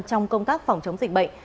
trong công tác phòng chống dịch bệnh